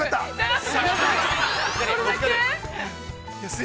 ◆それだけ？